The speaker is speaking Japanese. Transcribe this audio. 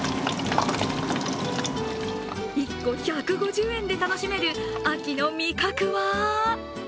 １個１５０円で楽しめる秋の味覚は？